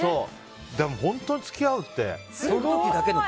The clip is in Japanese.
でも本当に付き合うって。